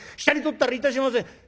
下に取ったりいたしません。